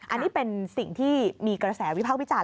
อันนี้เป็นสิ่งที่มีกระแสวิพากษ์วิจารณ